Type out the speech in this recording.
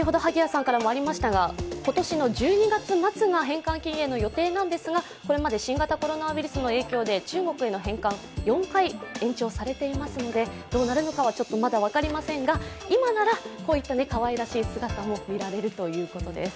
今年の１２月末が返還期限の予定なんですがこれまで新型コロナウイルスの影響で中国への返還、４回延長されているのでどうなるのかはちょっとまだ分かりませんが、今ならこういったかわいらしい姿も見られるということです。